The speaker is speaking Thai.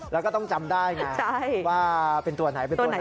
แล้วก็ต้องจำได้ไงว่าเป็นตัวไหนเป็นตัวไหน